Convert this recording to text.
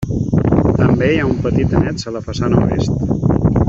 També hi ha un petit annex a la façana oest.